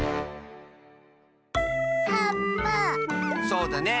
そうだね！